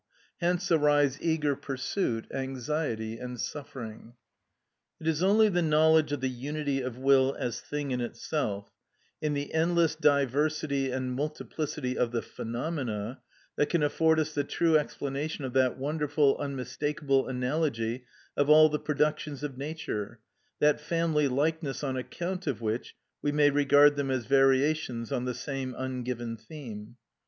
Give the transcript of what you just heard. Hence arise eager pursuit, anxiety, and suffering. It is only the knowledge of the unity of will as thing in itself, in the endless diversity and multiplicity of the phenomena, that can afford us the true explanation of that wonderful, unmistakable analogy of all the productions of nature, that family likeness on account of which we may regard them as variations on the same ungiven theme.